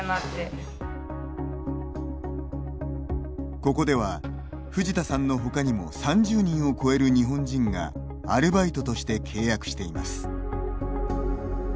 ここでは、藤田さんの他にも３０人を超える日本人がアルバイトとして契約しています。